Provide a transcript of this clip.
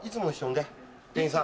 店員さん。